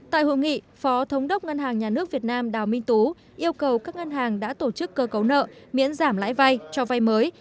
tại hội nghị phó thống đốc ngân hàng nhà nước việt nam đào minh tú yêu cầu các ngân hàng đã tổ chức cơ cấu nợ miễn giảm lãi vay cho vay mới